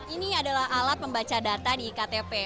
ini adalah alat membaca data di iktp